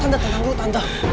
tante tante tenang dulu tante